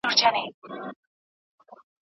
هغه په ډېرې خوښۍ سره زمزمه کوله.